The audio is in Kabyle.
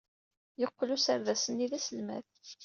Yeqqel userdas-nni d aselmad.